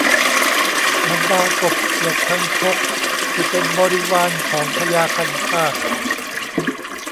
บรรดากบเขียดคางคกที่เป็นบริวารของพญาคันคาก